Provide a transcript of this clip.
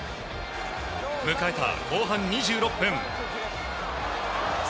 迎えた後半２６分。